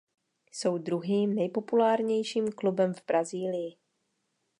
Jsou druhým nejpopulárnějším klubem v Brazílii.